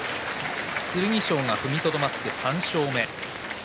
剣翔が踏みとどまって３勝目。